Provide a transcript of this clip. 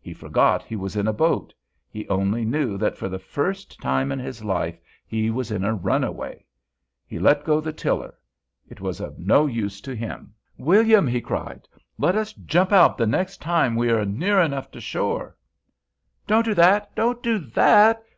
He forgot he was in a boat; he only knew that for the first time in his life he was in a runaway. He let go the tiller. It was of no use to him. "William," he cried, "let us jump out the next time we are near enough to shore!" "Don't do that! Don't do that!"